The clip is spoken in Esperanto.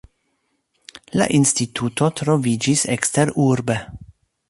La instituto troviĝis eksterurbe.